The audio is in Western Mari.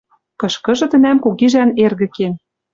Кышкыжы тӹнӓм кугижӓн эргӹ кен —